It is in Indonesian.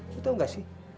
lo tau gak sih